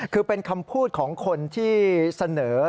คือเป็นคำพูดของคนที่เสนอ